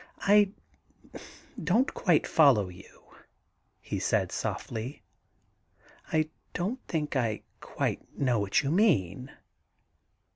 *I don't quite follow you,' he said softly. 'I don't think I quite know what you mean.'